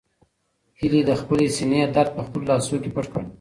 هیلې د خپلې سېنې درد په خپلو لاسو کې پټ کړ.